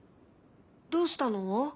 どうしたの？